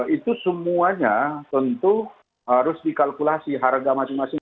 itu semuanya tentu harus dikalkulasi harga masing masing